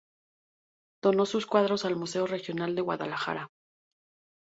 Donó sus cuadros al Museo Regional de Guadalajara.